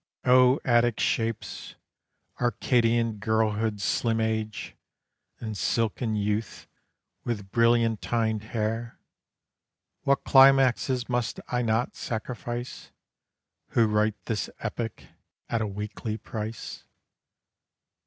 O Attic shapes! Arcadian girlhood's slim age, And silken youth with brilliantined hair! What climaxes must I not sacrifice, Who write this epic at a weekly price?